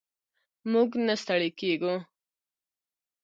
موږ نه ستړي کیږو.